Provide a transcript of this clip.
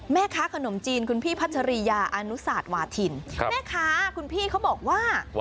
แม่ค้าขนมจีนคุณพี่พัชริยาอนุสาธวาทินแม่ค้าคุณพี่เขาบอกว่า